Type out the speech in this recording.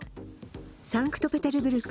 サンクトペテルブルク